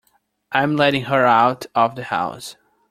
I'm letting her out of the house.